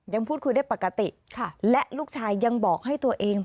ยังพูดคุยได้ปกติและลูกชายยังบอกให้ตัวเอง